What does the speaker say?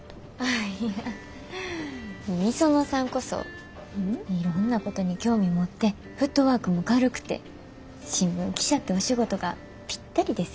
御園さんこそいろんなことに興味持ってフットワークも軽くて新聞記者ってお仕事がぴったりですよね。